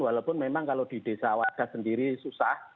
walaupun memang kalau di desa wadas sendiri susah